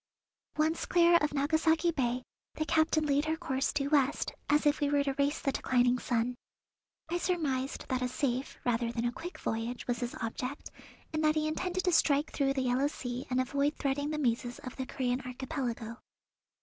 Once clear of Nagasaki Bay the captain laid her course due west, as if we were to race the declining sun. I surmised that a safe rather than a quick voyage was his object, and that he intended to strike through the Yellow Sea and avoid threading the mazes of the Corean Archipelago.